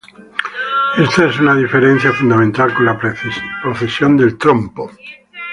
Esta es una diferencia fundamental con la precesión del trompo.